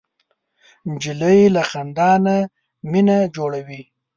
نجلۍ له خندا نه مینه جوړوي.